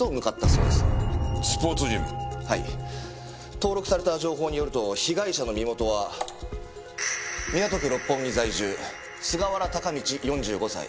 登録された情報によると被害者の身元は港区六本木在住菅原孝路４５歳。